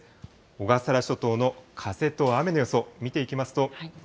小笠原諸島の風と雨の予想、見ていきますと。